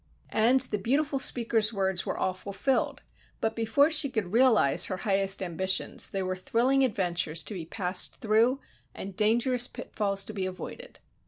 And the beautiful speaker's words were all fulfilled, but before she could realize her highest ambitions there were thrilling adventures to be passed through and dangerous pitfalls to be avoided.